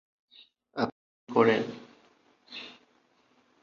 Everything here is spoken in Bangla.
সন্ধ্যার খবরে এটি দু'বার দেখানো হয়েছিল, সকালে আবার একবার।